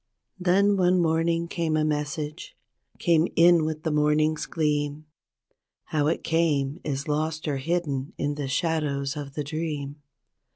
Then one morning came a message, came in with the morning's gleam; How it came is lost or hidden in the shadows of the dream.